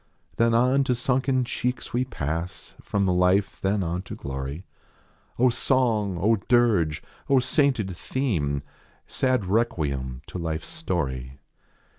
Then on to sunken cheeks we pass. From life then on to glory. O song ! O dirge I O sainted theme ! Sad requiem to life s story.